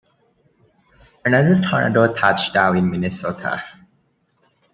Another tornado touched down in Minnesota.